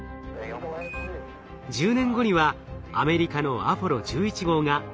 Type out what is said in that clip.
１０年後にはアメリカのアポロ１１号が月面着陸。